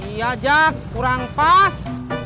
iya jak kurang pas